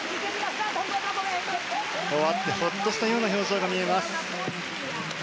終わって、ほっとしたような表情が見えます。